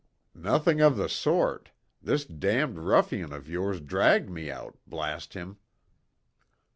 "Nothing of the sort. This damned ruffian of yours dragged me out, blast him."